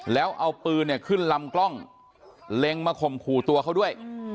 แล้วเอาปืนเนี่ยขึ้นลำกล้องเล็งมาข่มขู่ตัวเขาด้วย